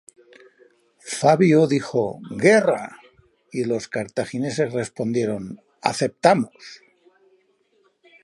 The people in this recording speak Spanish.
Fabio dijo "guerra", y los cartagineses respondieron "aceptamos".